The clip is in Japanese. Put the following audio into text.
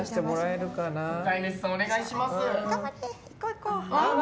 飼い主さん、お願いします。